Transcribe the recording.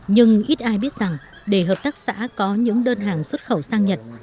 nhưng ít ai biết rằng để hợp tác xã có những đơn hàng xuất khẩu sang nhật